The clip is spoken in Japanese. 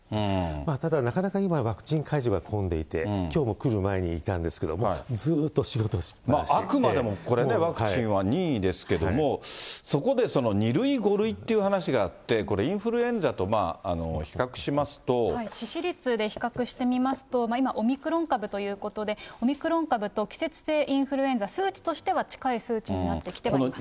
ただなかなか今、ワクチン会場運んでいて、きょうも来る前に行ったんですけれども、ずーっと仕事しっぱなしあくまでもこれね、ワクチンは任意ですけれども、そこで２類、５類っていう話があって、致死率で比較してみますと、今、オミクロン株ということで、オミクロン株と季節性インフルエンザ、数値としては近い数値になってきてはいます。